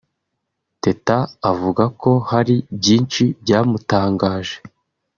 Teta avuga ko hari byinshi byamutangaje